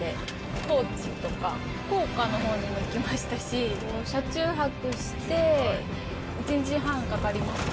高知とか福岡のほうにも行きましたし、車中泊して、１日半かかりますね。